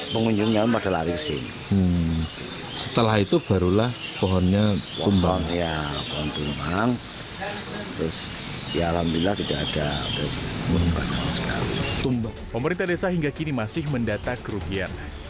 pemerintah desa hingga kini masih mendatak keruhian